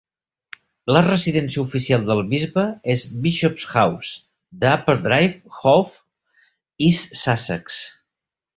La residència oficial del bisbe és Bishop's House, The Upper Drive, Hove, East Sussex.